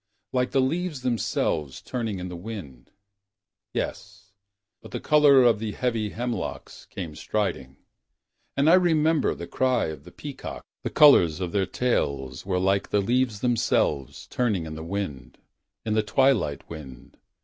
Like the leaves themselves Turning in the wind. Yes : but the color of the heavy hemlocks Came striding — And I remembered the cry of the peacocks . The colors of their tails Were like the leaves themselves Turning in the wind. In the twilight wind.